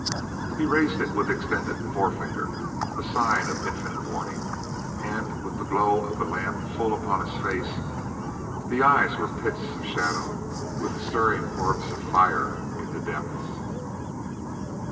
He raised it, with extended forefinger a sign of infinite warning; and with the glow of the lamp full upon his face, the eyes were pits of shadow with stirring orbs of fire in the depths.